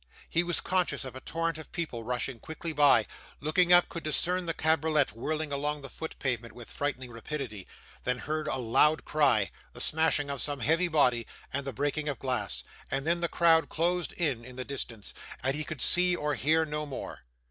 He was conscious of a torrent of people rushing quickly by looking up, could discern the cabriolet whirled along the foot pavement with frightful rapidity then heard a loud cry, the smashing of some heavy body, and the breaking of glass and then the crowd closed in in the distance, and he could see or hear no more.